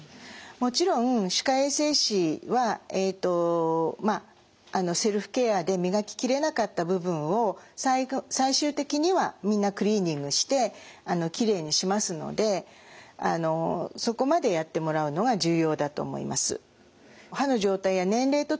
もちろん歯科衛生士はえとまあセルフケアで磨き切れなかった部分を最終的にはみんなクリーニングしてきれいにしますのでそこまでやってもらうのが重要だと思います。